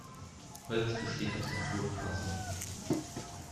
Holz besteht aus Naturfasern.